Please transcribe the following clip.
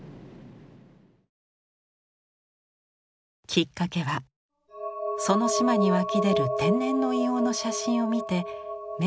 きっかけはその島に湧き出る天然の硫黄の写真を見て目を奪われたこと。